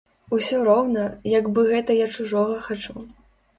Усё роўна, як бы гэта я чужога хачу.